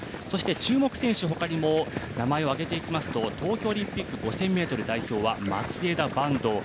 そして、注目選手他にも名前を挙げていきますと東京オリンピック５０００ｍ代表は松枝、坂東。